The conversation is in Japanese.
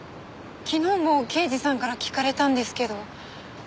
昨日も刑事さんから聞かれたんですけど。